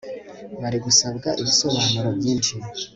bari gusabwa ibisobanuro byinshi